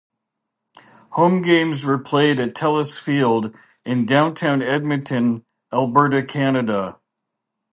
Home games were played at Telus Field in downtown Edmonton, Alberta, Canada.